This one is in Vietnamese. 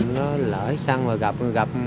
nó lỡ xăng và gặp